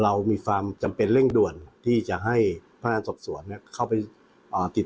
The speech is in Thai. เรามีความจำเป็นเร่งด่วนที่จะให้พนักงานสอบสวนเข้าไปติด